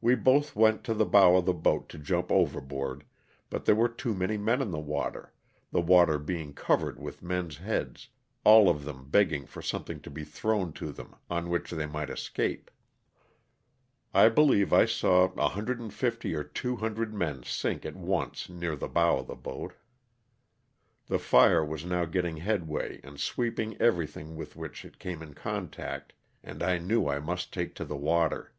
We both went to the bow of the boat to jump overboard, but there were too many men in the water, the water being covered with men's heads, all of them begging for something to be thrown to them on which they might escape. I believe I saw 150 or 200 men sink at once near the bow of the boat. The fire was now getting headway and sweeping everything with which it came in contact, and I knew I must take to the water.